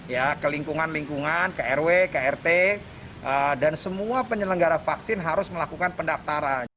ya ke lingkungan lingkungan krw krt dan semua penyelenggara vaksin harus melakukan pendaftaran